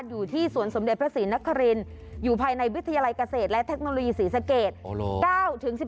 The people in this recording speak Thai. อยู่ที่สวนสมเด็จพระศรีนครินอยู่ภายในวิทยาลัยเกษตรและเทคโนโลยีศรีสเกต